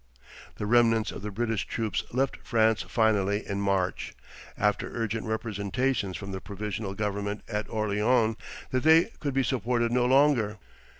The remnants of the British troops left France finally in March, after urgent representations from the provisional government at Orleans that they could be supported no longer.